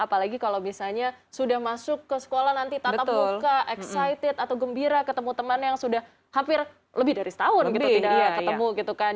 apalagi kalau misalnya sudah masuk ke sekolah nanti tatap muka excited atau gembira ketemu teman yang sudah hampir lebih dari setahun gitu tidak ketemu gitu kan